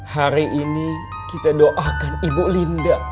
hari ini kita doakan ibu linda